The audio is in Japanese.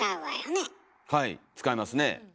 はい使いますね。